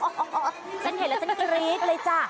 ฉันเห็นแล้วฉันกรี๊ดเลยจ้ะ